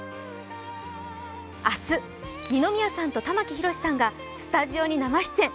明日、二宮さんと玉木宏さんがスタジオに生出演。